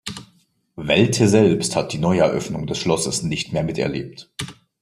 Velte selbst hat die Neueröffnung des Schlosses nicht mehr miterlebt.